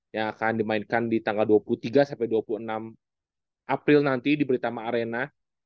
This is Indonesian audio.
yang akan dimainkan di tanggal dua puluh tiga sampai dua puluh enam april nanti di beritama arena